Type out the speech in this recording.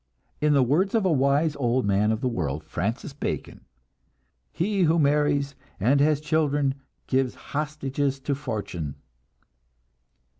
In the words of a wise old man of the world, Francis Bacon, "He who marries and has children gives hostages to fortune."